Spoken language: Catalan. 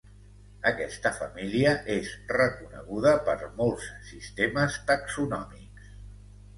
Aquesta família és reconeguda per molts sistemes taxonòmics.